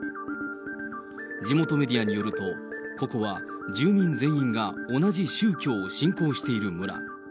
地元メディアによると、ここは住民全員が同じ宗教を信仰している村。